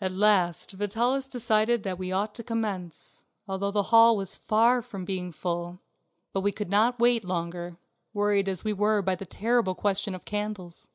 At last Vitalis decided that we ought to commence, although the hall was far from being full; but we could not wait longer, worried as we were by the terrible question of candles.